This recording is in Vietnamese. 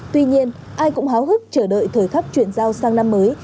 tuy nhiên ai cũng háo hức chờ đợi thời khắc chuyển giao sang năm mới